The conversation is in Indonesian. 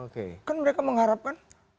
kan mereka mengharapkan